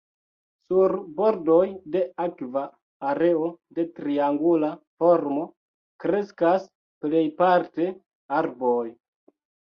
Sur bordoj de akva areo de triangula formo kreskas plejparte arboj.